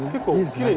きれい。